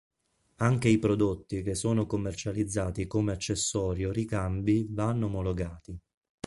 Anche i prodotti che sono commercializzati come accessori o ricambi vanno omologati.